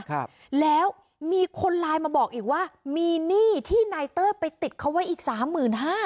ครับแล้วมีคนไลน์มาบอกอีกว่ามีหนี้ที่นายเต้ยไปติดเขาไว้อีกสามหมื่นห้า